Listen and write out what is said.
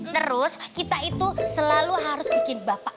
terus kita itu selalu hampir untuk berbicara dengan bapak atul